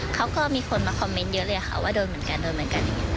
เขาก็มีคนมาคอมเมนต์เยอะเลยค่ะว่าโดนเหมือนกันโดนเหมือนกันอย่างนี้